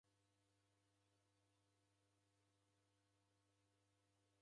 Mkotie kumoni.